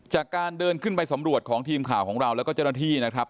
จากการเดินขึ้นไปสำรวจของทีมข่าวของเราแล้วก็เจ้าหน้าที่นะครับ